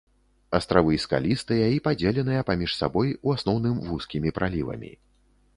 Астравы скалістыя і падзеленыя паміж сабой у асноўным вузкімі пралівамі.